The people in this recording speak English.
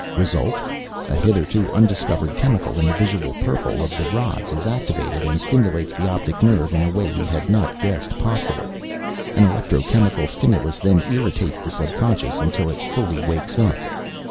"Result? A hitherto undiscovered chemical in the visual purple of the rods is activated and stimulates the optic nerve in a way we had not guessed possible. An electrochemical stimulus then irritates the subconscious until it fully wakes up.